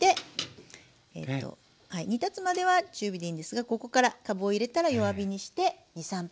煮立つまでは中火でいいんですがここからかぶを入れたら弱火にして２３分煮ていきます。